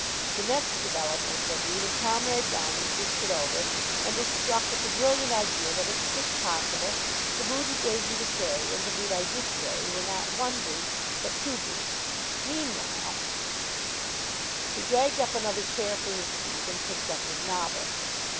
The next development will be when Comrade Downing thinks it over, and is struck with the brilliant idea that it's just possible that the boot he gave me to carry and the boot I did carry were not one boot but two boots. Meanwhile " He dragged up another chair for his feet and picked up his novel.